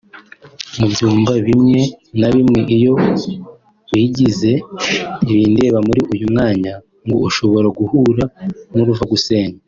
Mu byumba bimwe na bimwe iyo wigize ntibindeba muri uyu mwanya ngo ushobora guhura n’uruva gusenya